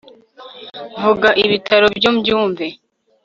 vuga, ibitari byo mbyumve